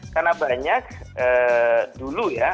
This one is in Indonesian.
karena banyak dulu ya